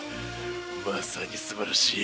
まさにすばらしい。